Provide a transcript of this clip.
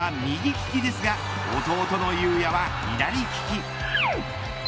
兄の拓磨は右利きですが弟の雄也は左利き。